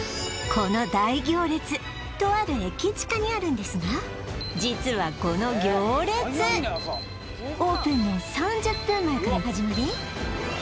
この大行列とある駅チカにあるんですが実はこの行列オープンの３０分前から始まり